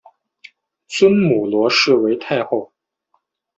尊母罗氏为太后。